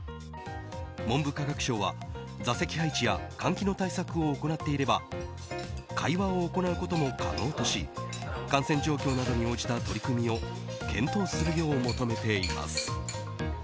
文部科学省は座席配置や換気の対策を行っていれば会話を行うことも可能とし感染状況などに応じた取り組みを検討するよう求めています。